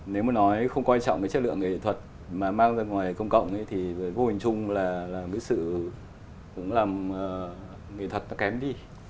nếu mà nói không quan trọng cái chất lượng nghệ thuật mà mang ra ngoài công cộng thì vô hình chung là cái sự cũng làm nghệ thuật nó kém đi